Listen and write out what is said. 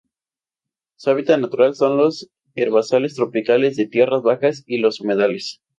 Su hábitat natural son los herbazales tropicales de tierras bajas y los humedales.